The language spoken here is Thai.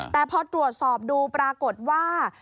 แต่พอตรวจสอบดูปรากฏว่า